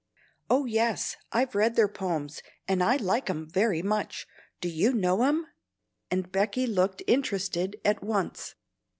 "Oh yes, I've read their poems and like 'em very much. Do you know 'em?" and Becky looked interested at once.